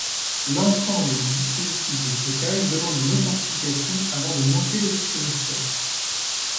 L'ensemble du dispositif de stockage demande une authentification avant de monter le disque virtuel.